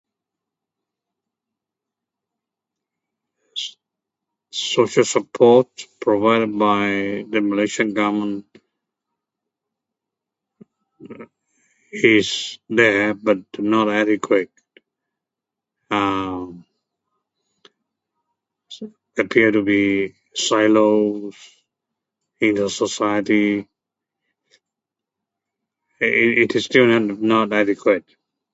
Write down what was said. shhh social support provided by the Malaysian government ugh is there but not adequate. Umm So appear to be silos in the society. It It is still and not adequate.